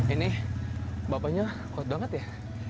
ini bapaknya kuat banget ya